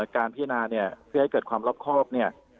การพิจารณาเพื่อให้เกิดความรอบเนี่ย